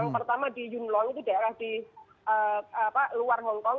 yang pertama di yumlong itu daerah di luar hongkong